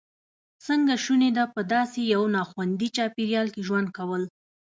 څنګه شونې ده په داسې یو ناخوندي چاپېریال کې ژوند کول.